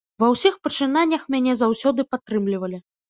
Ва ўсіх пачынаннях мяне заўсёды падтрымлівалі.